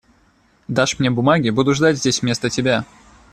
Дашь мне бумаги, буду ждать здесь вместо тебя.